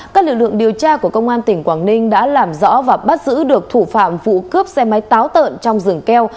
các lực lượng điều tra của công an tỉnh quảng ninh đã làm rõ và bắt giữ được thủ phạm vụ cướp xe máy táo tợn trong rừng keo